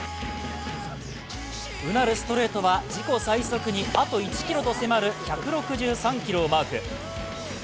うなるストレートは自己最速にあと１キロとなる１６３キロをマーク。